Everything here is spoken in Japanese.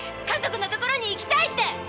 家族の所に行きたい」って。